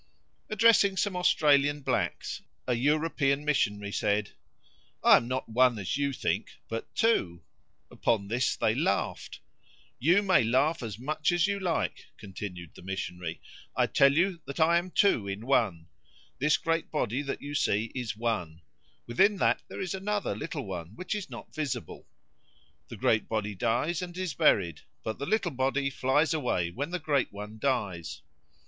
Addressing some Australian blacks, a European missionary said, "I am not one, as you think, but two." Upon this they laughed. "You may laugh as much as you like," continued the missionary, "I tell you that I am two in one; this great body that you see is one; within that there is another little one which is not visible. The great body dies, and is buried, but the little body flies away when the great one dies."